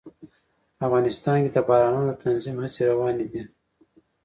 افغانستان کې د بارانونو د تنظیم هڅې روانې دي.